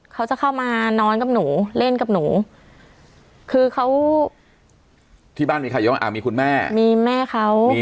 เขาจะเข้ามานอนกับหนูเล่นกับหนูคือเขาที่บ้านมีใครมีคุณแม่มีแม่เขา